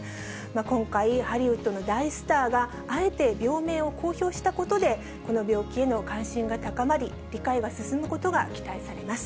今回、ハリウッドの大スターが、あえて病名を公表したことで、この病気への関心が高まり、理解が進むことが期待されます。